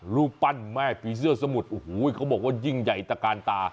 รูปปั้นแม่ผีเสื้อสมุทรโอ้โหเขาบอกว่ายิ่งใหญ่ตะกาลตา